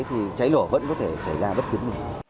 thì cháy nổ vẫn có thể xảy ra bất cứ mình